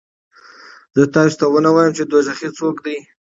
زه تاسې ته ونه وایم چې دوزخي څوک دي؟